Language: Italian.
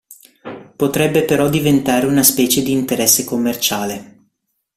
Potrebbe però diventare una specie di interesse commerciale.